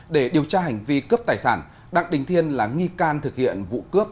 để điều tra hành vi cướp tài sản đặng đình thiên là nghi can thực hiện vụ cướp